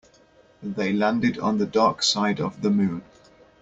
They landed on the dark side of the moon.